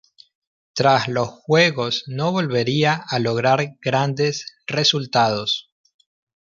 Tras los Juegos no volvería a lograr grandes resultados.